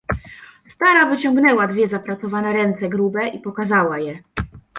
"Stara wyciągnęła dwie zapracowane ręce grube i pokazała je."